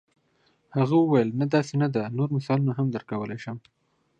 هغه وویل نه داسې نه ده نور مثالونه هم درکولای شم.